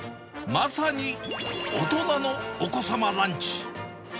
まさに大人のお子様ランチ。